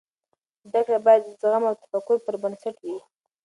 زده کړې باید د زغم او تفکر پر بنسټ وي.